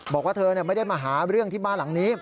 บอกว่าเธอไม่ได้มาหาเรื่องที่บ้านหลังนี้